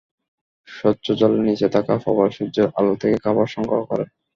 স্বচ্ছ জলের নিচে থাকা প্রবাল সূর্যের আলো থেকে খাবার সংগ্রহ করে।